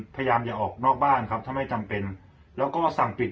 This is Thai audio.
พยายามอย่าออกนอกบ้านครับถ้าไม่จำเป็นแล้วก็สั่งปิด